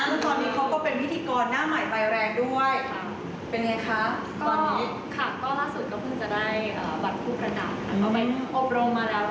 เร็วนี้คงจะได้เห็นนอกกิ๊บในหน้าจอก็จะได้เห็นนะครับ